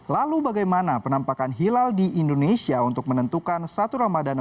lalu bagaimana penampakan hilal di indonesia untuk menentukan satu ramadan